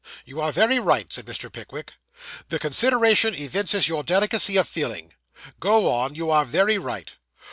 'You are very right,' said Mr. Pickwick. 'The consideration evinces your delicacy of feeling. Go on; you are very right.